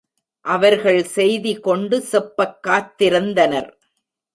அவர்கள் செய்தி கொண்டு செப்பக் காத்திருந் தனர்.